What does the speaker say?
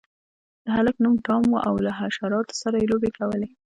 د هلک نوم ټام و او له حشراتو سره یې لوبې کولې.